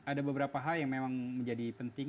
ada beberapa hal yang memang menjadi penting